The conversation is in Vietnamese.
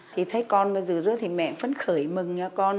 thì thấy con bây giờ rứa thì mẹ vẫn khởi mừng nha con